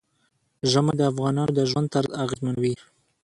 ژمی د افغانانو د ژوند طرز اغېزمنوي.